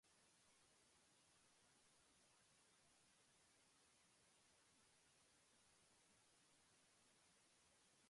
La mayoría de las ciudades capitales de departamentos están divididas en comunas.